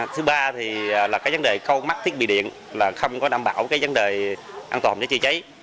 thứ ba vấn đề câu mắt thiết bị điện không đảm bảo vấn đề an toàn phòng cháy chữa cháy